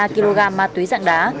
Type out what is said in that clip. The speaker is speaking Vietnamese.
một ba kg ma túy dạng đá